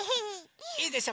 いいでしょ？